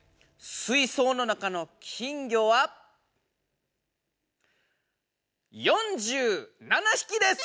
水そうの中の金魚は４７ひきです！